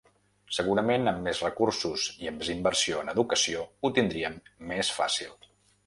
Segurament amb més recursos i amb més inversió en educació, ho tindríem més fàcil.